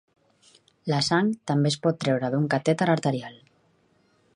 La sang també es pot treure d'un catèter arterial.